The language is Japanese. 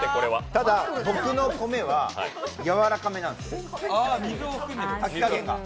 ただ、僕の米はやわらかめなんですよ、炊き加減が。